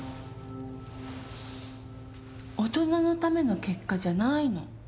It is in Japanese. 大人のための結果じゃないの。